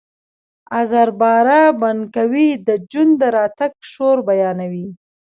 آزر باره بنکوی د جون د راتګ شور بیانوي